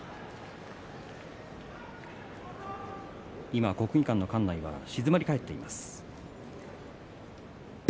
今、国技館の館内は静まり返っています。